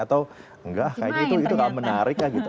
atau enggak kayaknya itu gak menarik lah gitu